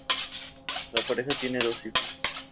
La pareja tiene dos hijos juntos.